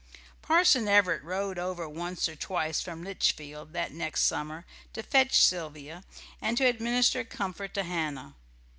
Parson Everett rode over once or twice from Litchfield that next summer to fetch Sylvia and to administer comfort to Hannah.